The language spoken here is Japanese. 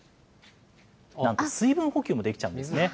なんと水分補給もできちゃうんですね。